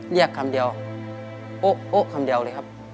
เรียกคำเดียวโอ๊ะคำเดียวเลยครับ